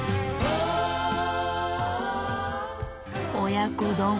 親子丼。